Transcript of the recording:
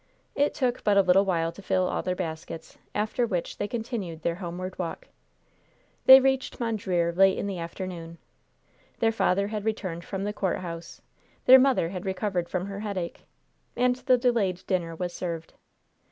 It took but a little while to fill all their baskets, after which they continued their homeward walk. They reached Mondreer late in the afternoon. Their father had returned from the courthouse. Their mother had recovered from her headache. And the delayed dinner was served.